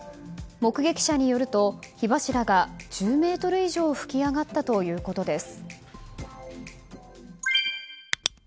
目撃者によると火柱が１０ｍ以上噴き上がったということです。